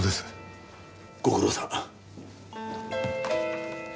ご苦労さん。